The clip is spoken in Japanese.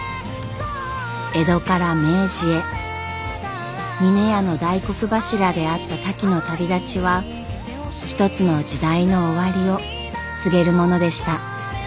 江戸から明治へ峰屋の大黒柱であったタキの旅立ちは一つの時代の終わりを告げるものでした。